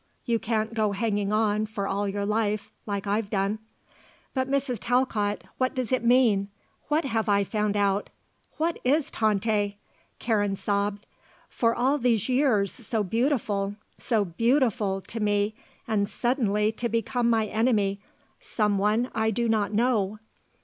You can't go hanging on for all your life, like I've done." "But Mrs. Talcott what does it mean? What have I found out? What is Tante?" Karen sobbed. "For all these years so beautiful so beautiful to me, and suddenly to become my enemy someone I do not know."